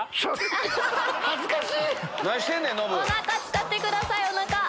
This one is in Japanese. お腹使ってください。